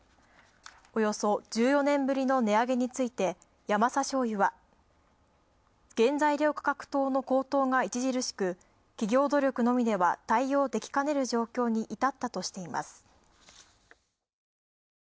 およそ１４年ぶりの値上げについてヤマサ醤油は、原材料価格等の高騰が著しく企業努力などでは対応できかねる状況に至ったとしています。